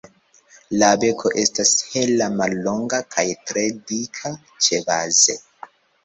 La beko estas hela, mallonga kaj tre dika ĉebaze.